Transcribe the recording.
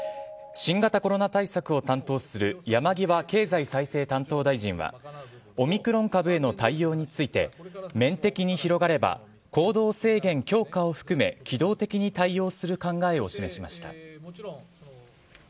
新型コロナ対策を担当する山際経済再生担当大臣はオミクロン株への対応について面的に広がれば行動制限強化を含め機動的に対応する考えを示しました。